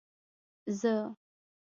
زه